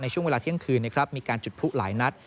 ช่วงเวลาเที่ยงคืนนะครับมีการจุดพลุหลายนัด